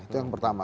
itu yang pertama